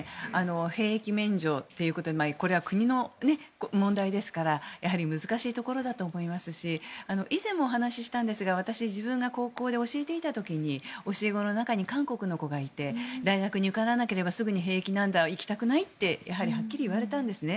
兵役免除ということでこれは国の問題ですから難しいところだと思いますし以前もお話ししたんですが私、自分が高校で教えていた時に教え子の中に韓国の子がいて大学に受からなければすぐに兵役なんだ行きたくないってはっきり言われたんですね。